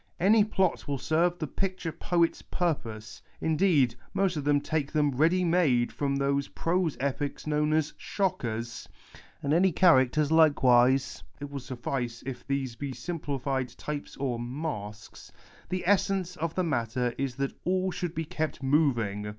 Any plot will serve the picture poet's purpose (indeed most of them take them ready made from those prose epics known as ' shockers "), and any characters likewise (it will sullice if these be simplified types or ' masks '). The essence of the matter is that all should be kept moving.